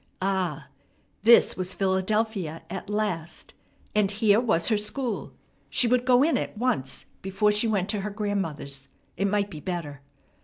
Ah! This was Philadelphia at last, and here was her school. She would go in at once before she went to her grandmother's. It might be better.